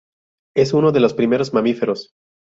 Es uno de los primeros mamíferos.